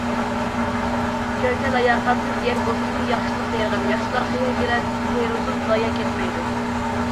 گەرچە لاياقەتسىز يەر بولسىمۇ ياخشىلىق تېرىغىن، ياخشىلار قەيەرگىلا تېرىلسۇن، زايە كەتمەيدۇ.